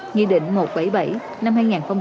nghị định một trăm bảy mươi bảy năm hai nghìn một mươi